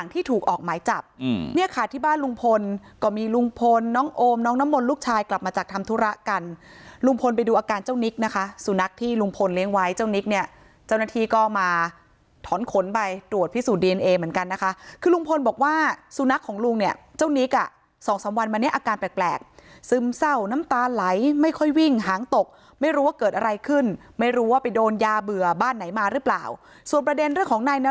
ที่ถูกออกหมายจับเนี่ยค่ะที่บ้านลุงพลก็มีลุงพลน้องโอมน้องน้ำมนลูกชายกลับมาจากทำธุระกันลุงพลไปดูอาการเจ้านิกนะคะสุนัขที่ลุงพลเลี้ยงไว้เจ้านิกเนี่ยเจ้าหน้าทีก็มาถอนขนไปตรวจพิสูจน์ดีเอนเอเหมือนกันนะคะคือลุงพลบอกว่าสุนัขของลุงเนี่ยเจ้านิกอ่ะสองสามวันมาเนี่ยอาการแปลกซึ